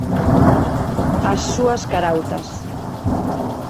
As súas carautas.